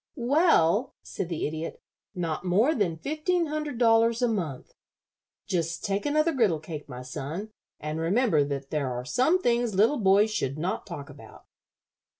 "Well," said the Idiot, "not more than fifteen hundred dollars a month. Just take another griddle cake, my son, and remember that there are some things little boys should not talk about."